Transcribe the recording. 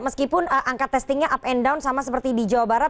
meskipun angka testingnya up and down sama seperti di jawa barat